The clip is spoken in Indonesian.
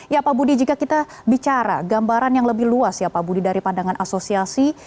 ya pak budi jika kita bicara gambaran yang lebih luas ya pak budi dari pandangan asosiasi